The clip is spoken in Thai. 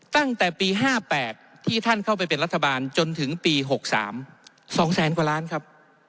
ตั้งแต่ปี๕๘ที่ท่านเข้าไปเป็นรัฐบาลจนถึงปี๖๓๒แสนกว่าล้านครับ